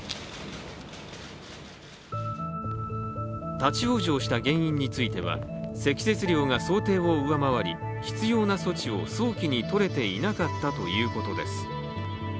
立往生した原因については積雪量が想定を上回り必要な措置を早期にとれていなかったということです。